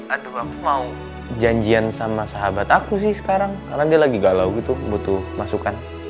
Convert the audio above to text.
aduh aku mau janjian sama sahabat aku sih sekarang karena dia lagi galau gitu butuh masukan